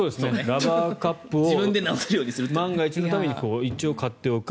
ラバーカップを万が一のために一応、買っておく。